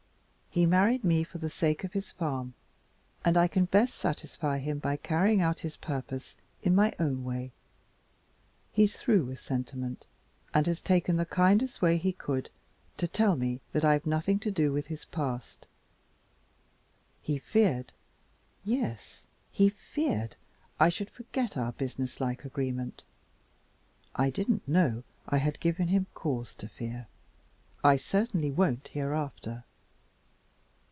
He married me for the sake of his farm, and I can best satisfy him by carrying out his purpose in my own way. He's through with sentiment and has taken the kindest way he could to tell me that I've nothing to do with his past. He feared, yes, he FEARED, I should forget our businesslike agreement! I didn't know I had given him cause to fear; I certainly won't hereafter!"